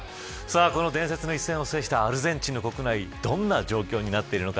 この伝説の一戦を制したアルゼンチンの国内どんな状況になっているのか。